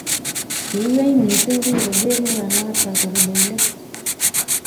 ki iywei mising kingogeer murenoto korubei let